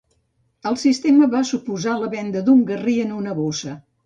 El sistema va suposar la venda d'un garrí en una bossa.